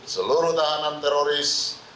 seluruh tahanan teroris